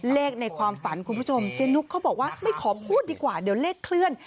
ในความฝันคุณผู้ชมเจนุกเขาบอกว่าไม่ขอพูดดีกว่าเดี๋ยวเลขเคลื่อน